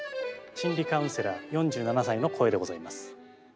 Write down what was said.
心理カウンセラー４７歳の声でございます。